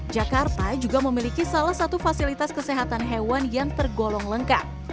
jakarta juga memiliki salah satu fasilitas kesehatan hewan yang tergolong lengkap